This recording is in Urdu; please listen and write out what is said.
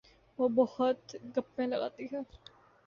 وہ بہت گپیں لگاتی ہے